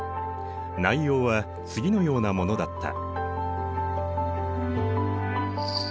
内容は次のようなものだった。